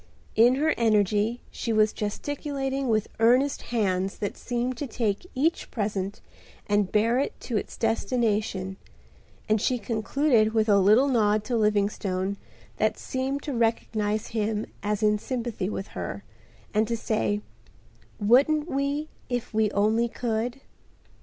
In her energy she was gesticulating with earnest hands that seemed to take each present and bear it to its destination, and she concluded with a little nod to Livingstone that seemed to recognize him as in sympathy with her, and to say, "Wouldn't we if we only could?"